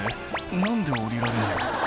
何で下りられないんだ？」